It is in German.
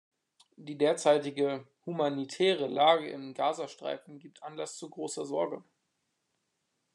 Die derzeitige humanitäre Lage im Gaza-Streifen gibt Anlass zu großer Sorge.